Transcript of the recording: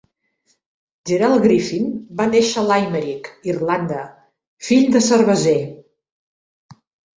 Gerald Griffin va néixer a Limerick, Irlanda, fill de cerveser.